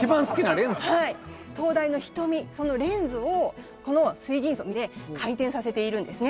灯台の瞳そのレンズをこの水銀槽で回転させているんですね。